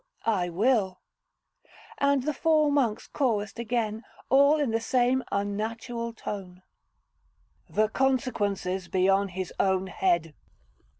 'I will.' And the four monks chorussed again, all in the same unnatural tone, 'The consequences be on his own head.'